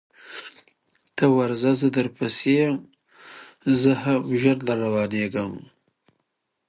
ته ورځه زه در پسې یم زه هم ژر در روانېږم